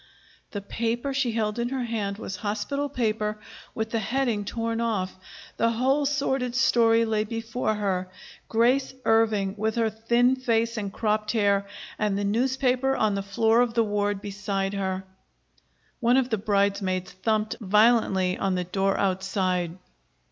The paper she held in her hand was hospital paper with the heading torn off. The whole sordid story lay before her: Grace Irving, with her thin face and cropped hair, and the newspaper on the floor of the ward beside her! One of the bridesmaids thumped violently on the door outside.